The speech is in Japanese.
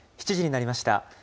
７時になりました。